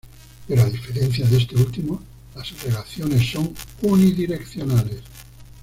Pero a diferencia de este último, las relaciones son unidireccionales.